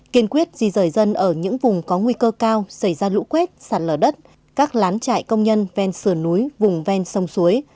kiên quyết di rời dân ở những vùng có nguy cơ cao xảy ra lũ quét sạt lở đất các lán trại công nhân ven sườn núi vùng ven sông suối